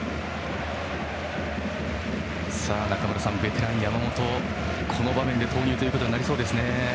中村さん、ベテランの山本この場面で投入となりそうですね。